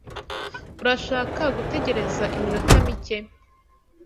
Urashaka gutegereza iminota mike?